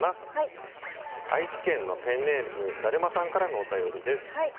愛知県のペンネームだるまさんからのお便りです。